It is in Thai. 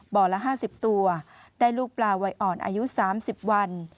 ละ๕๐ตัวได้ลูกปลาวัยอ่อนอายุ๓๐วัน